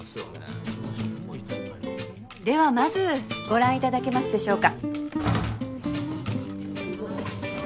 ではまずご覧いただけますでしょうか。